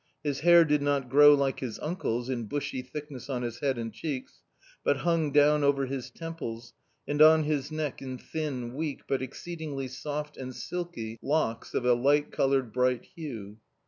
His hair did not grow like his uncle's, in bushy thickness on his head and cheeks, but hung down over his temples and on his neck in thin, weak, but exceedingly soft and silky locks of a light coloured bright hue.